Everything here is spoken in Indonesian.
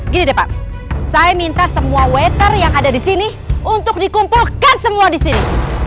gini deh pak saya minta semua waiter yang ada disini untuk dikumpulkan semua disini